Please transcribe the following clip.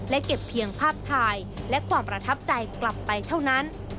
และเก็บเพียงภาพถ่ายและความประทับใจกลับไปเท่านั้น